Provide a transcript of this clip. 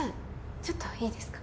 ちょっといいですか？